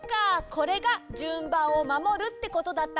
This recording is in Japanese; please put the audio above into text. これがじゅんばんをまもるってことだったのか！